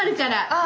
ああ。